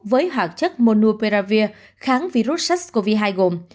với hoạt chất monuperavir kháng virus sars cov hai gồm